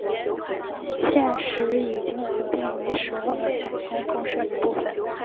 现时已经合并为首尔交通公社一部分。